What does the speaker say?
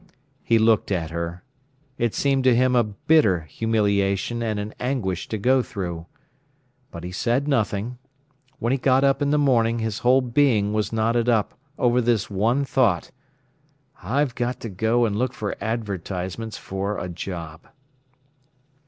He looked at her. It seemed to him a bitter humiliation and an anguish to go through. But he said nothing. When he got up in the morning, his whole being was knotted up over this one thought: "I've got to go and look for advertisements for a job."